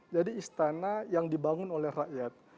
jadi istana yang dibangun oleh rakyat